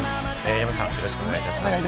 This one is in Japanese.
山ちゃん、よろしくお願いします。